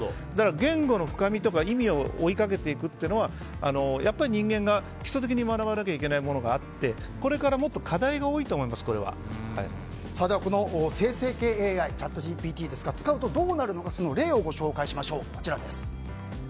言語の深みや意味を追いかけていくというのは人間が基礎的に学ばなきゃいけないものがあってこれからもっとこの生成系ＡＩチャットＧＰＴですが使うとどうなるのか例をご紹介しましょう。